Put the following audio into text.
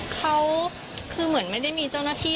เขาคือเหมือนไม่ได้มีเจ้าหน้าที่